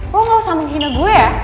wah gak usah menghina gue ya